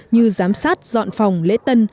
như giám sát dọn phòng lễ tân